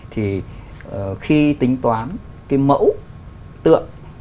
thì khi tính toán cái mẫu tượng